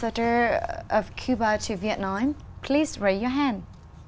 đã đến cuba vào tháng ba